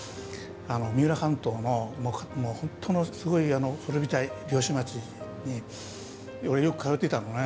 三浦半島のもう本当のすごい古びた漁師町に俺よく通ってたのね。